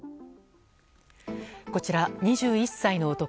こちら２１歳の男。